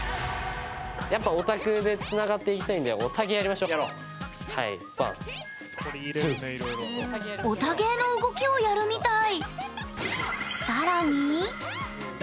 やっぱ、オタクでつながっていきたいんでオタ芸の動きをやるみたい。